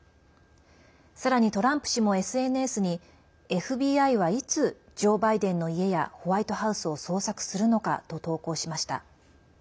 さらに、トランプ氏もＳＮＳにＦＢＩは、いつジョー・バイデンの家やホワイトハウスを捜索するのかと投稿しました。